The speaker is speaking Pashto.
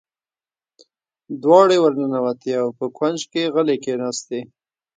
دواړې ور ننوتې او په کونج کې غلې کېناستې.